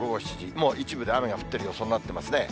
もう一部で雨が降ってる予想になってますね。